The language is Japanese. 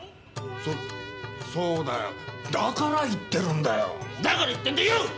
そそうだよだから言ってるんだよだから言ってんだよ！